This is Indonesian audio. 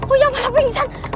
iya gue mesti keluar